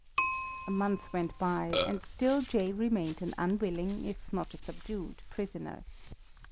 A month went by, and still Jay remained an unwilling, if not a subdued, prisoner.